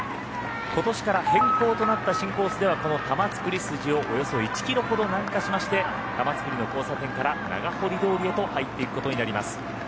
今年から変更となった新コースではこの玉造筋をおよそ１キロほど南下しまして玉造の交差点から長堀通へと入っていくことになります。